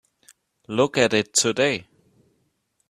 Look at it today.